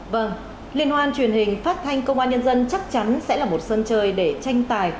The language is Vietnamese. vâng liên hoan truyền hình phát thanh công an nhân dân chắc chắn sẽ là một sân chơi để tranh tài